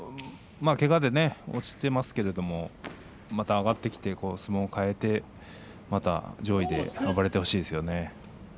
けがで落ちていますけれどまた上がってきて相撲を変えてまた上位で暴れてほしいですね。